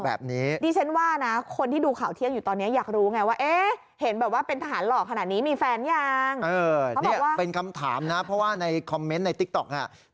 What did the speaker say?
แบบเวลาใครถามผมบอกก็ต้องมาวัดเอง